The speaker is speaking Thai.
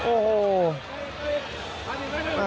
โอ้โห